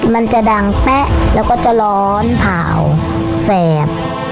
มันจะดังแป๊ะแล้วก็จะร้อนผ่าวแสบ